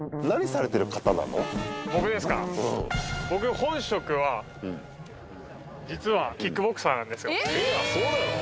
本職は実はキックボクサーなんですよえっそうなの？